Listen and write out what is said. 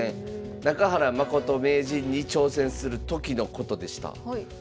中原誠名人に挑戦する時のことでした。